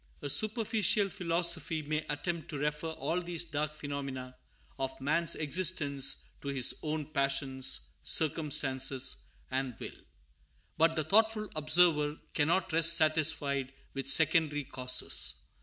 A superficial philosophy may attempt to refer all these dark phenomena of man's existence to his own passions, circumstances, and will; but the thoughtful observer cannot rest satisfied with secondary causes.